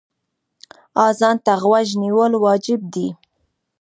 اذان ته غوږ نیول واجب دی.